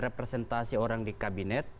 representasi orang di kabinet